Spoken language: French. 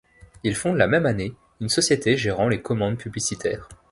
Il fonde la même année une société gérant les commandes publicitaires.